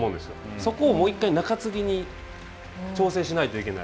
そこを、もう一回、中継ぎに調整しないといけない。